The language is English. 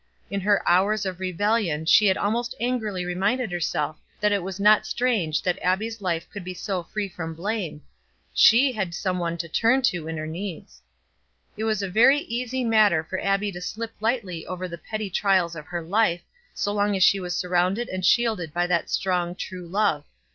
In her hours of rebellion she had almost angrily reminded herself that it was not strange that Abbie's life could be so free from blame; she had some one to turn to in her needs. It was a very easy matter for Abbie to slip lightly over the petty trials of her life, so long as she was surrounded and shielded by that strong, true love.